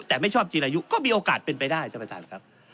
แต่ไม่ชอบจีรายุก็มีโอกาสเป็นไปได้ท่านประธานครับ